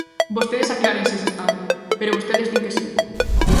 Vostedes aclárense se están, pero vostedes din que si.